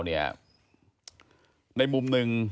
ในมุมหนึ่ง